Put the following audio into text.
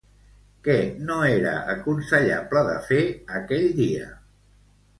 Què no era aconsellable de fer aquell dia?